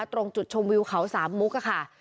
ตรงจุดชมวิวเขาสามมุกค่ะ